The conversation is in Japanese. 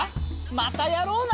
またやろうな。